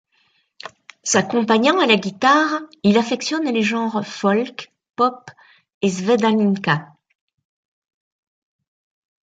S'accompagnant à la guitare, il affectionne les genres folk, pop et sevdalinka.